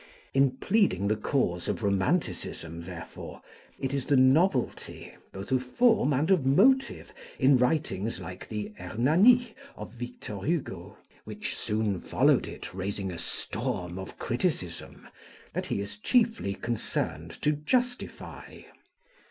In pleading the cause of romanticism, therefore, it is the novelty, both of form and of motive, in writings like the Hernani of Victor Hugo (which soon followed it, raising a storm of criticism) that he is chiefly concerned to justify.